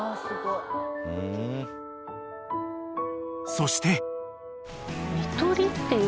［そして］